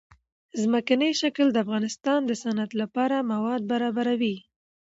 ځمکنی شکل د افغانستان د صنعت لپاره مواد برابروي.